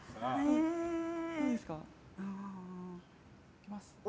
いきます。